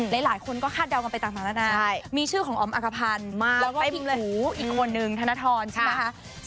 แล้วหลายคนก็คาดเที่ยวไปต่างต่างแล้วนะมีชื่อของออมอากราภันแล้วก็ปิ๊งอูอีกคนนึงธนทรใช่มั้ยค่ะ